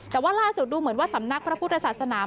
แต่ว่าล่าสุดดูเหมือนว่าสำนักพระพุทธศาสนา